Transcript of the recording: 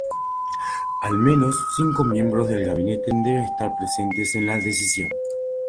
Al menos cinco miembros del gabinete deben estar presentes en la decisión.